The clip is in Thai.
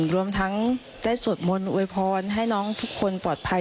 รวมทั้งได้สวดมนต์อวยพรให้น้องทุกคนปลอดภัย